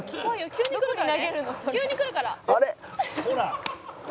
急にくるから」